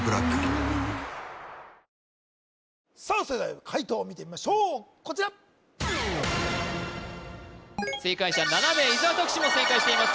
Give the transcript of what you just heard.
さあ解答を見てみましょうこちら正解者７名伊沢拓司も正解しています